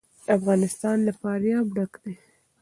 افغانستان له فاریاب ډک دی.